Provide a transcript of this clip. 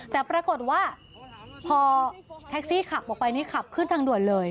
แต่ปรากฏว่าพอแท็กซี่ขับออกไปนี่ขับขึ้นทางด่วนเลย